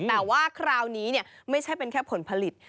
แต่ว่าคราวนี้ไม่ใช่เป็นแค่ผลผลิต